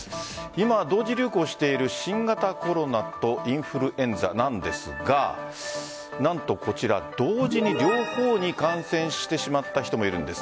今、同時流行している新型コロナとインフルエンザなんですが何と、こちら、同時に両方に感染してしまった人もいるんです。